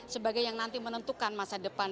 sebagai yang nanti menentukan masa depan